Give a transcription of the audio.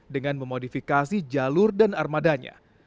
dengan memodifikasi jalur dan armadanya